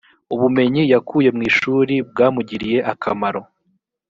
ubumenyi yakuye mwishurri bwamugiriye akamaro